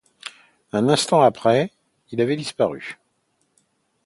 Un instant après il avait disparu.